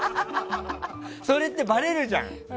それって、ばれるじゃん。